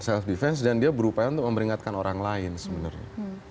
self defense dan dia berupaya untuk memperingatkan orang lain sebenarnya